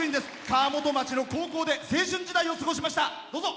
川本町の高校で青春時代を過ごしました。